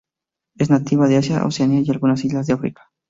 Es nativa de Asia, Oceania y algunas islas de África.